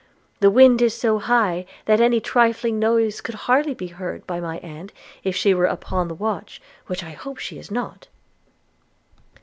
The wind is so high, that any trifling noise could hardly be heard by my aunt if she were upon the watch, which I hope she is not.'